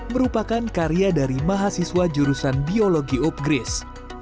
merupakan karya dari mahasiswa jurusan biologi upgris